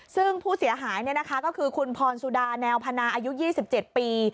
ซึ่งผู้เสียหายก็คือคุณพรสุดาแนวพนาอายุ๒๗ปี